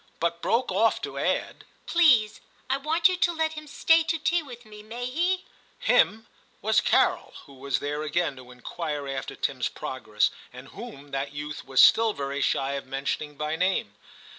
but broke off to add, * Please, I want you to let him stay to tea with me ; may he ?Him ' was Carol, who was there again, to inquire after Tim's progress, and whom that youth was still very shy of mentioning by name.